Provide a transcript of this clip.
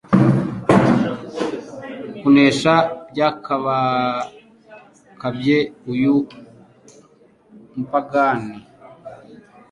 kunesha byakabakabye uyu mupagane.